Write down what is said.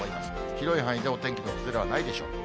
広い範囲でお天気の崩れはないでしょう。